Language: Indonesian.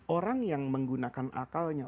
orang yang menggunakan akalnya